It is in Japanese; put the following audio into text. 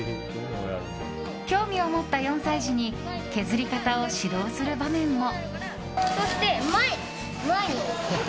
興味を持った４歳児に削り方を指導する場面も。